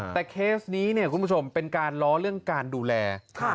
แต่เคสนี้เนี่ยคุณผู้ชมเป็นการล้อเรื่องการดูแล